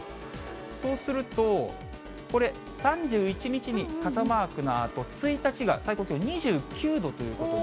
そうすると、これ、３１日に傘マークのあと、１日が最高気温２９度ということで。